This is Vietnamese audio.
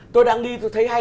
tôi đang đi tôi thấy hay